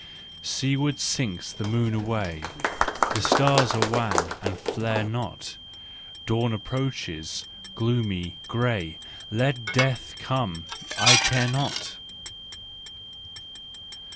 Seaward sinks the moon away, The stars are wan, and flare not: Dawn approaches, gloomy, grey, Let Death come! I care not!